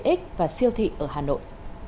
tiện ích và siêu thị ở hà nội